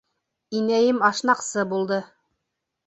Инәйем ашнаҡсы булды.